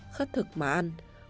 ba khất thực mà ăn